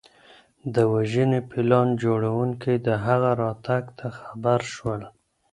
د وژنې پلان جوړونکي د هغه راتګ ته خبر شول.